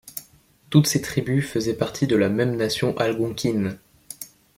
Toutes ces tribus faisaient partie de la même Nation algonquine.